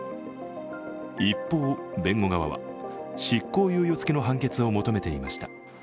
一方、弁護側は執行猶予つきの判決を求めていました。